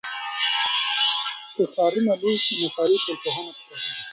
که ښارونه لوی سي نو ښاري ټولنپوهنه پکاریږي.